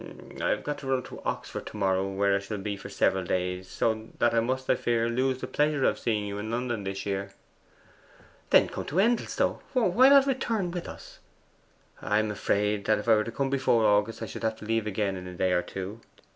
I've got to run up to Oxford to morrow, where I shall be for several days; so that I must, I fear, lose the pleasure of seeing you in London this year.' 'Then come to Endelstow; why not return with us?' 'I am afraid if I were to come before August I should have to leave again in a day or two.